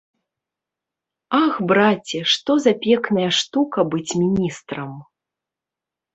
Ах, браце, што за пекная штука быць міністрам!